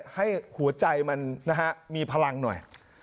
ให้หัวใจมันนะฮะมีพลังหน่อย